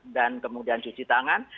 dan kemudian cuci tangan